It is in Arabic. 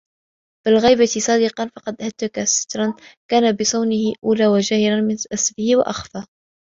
بِالْغِيبَةِ صَادِقًا فَقَدْ هَتَكَ سِتْرًا كَانَ بِصَوْنِهِ أَوْلَى وَجَاهَرَ مَنْ أَسَرَّ وَأَخْفَى